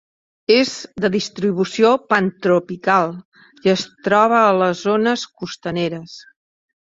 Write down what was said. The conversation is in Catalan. És de distribució pantropical i es troba a les zones costaneres.